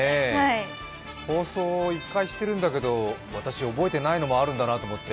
放送を１回しているんだけど私、覚えていないのもあるんだなって。